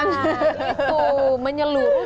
nah itu menyeluruh